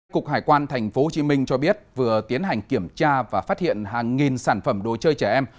cục hải quan tp hcm cho biết vừa tiến hành kiểm tra và phát hiện hàng nghìn sản phẩm đồ chơi trẻ em